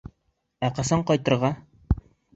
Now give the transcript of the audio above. Ә ҡасан... ҡайтырға?